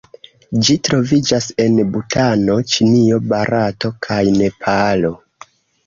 Ĝi troviĝas en Butano, Ĉinio, Barato kaj Nepalo.